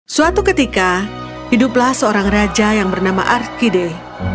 suatu ketika hiduplah seorang raja yang bernama arkide